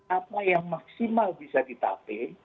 apa yang maksimal bisa ditape